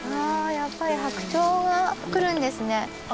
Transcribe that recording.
やっぱり白鳥が来るんですね。